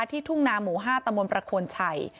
ที่ทุ่งนาหมู่๕ตมประโคนชัย